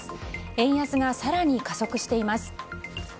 円安が更に加速しています。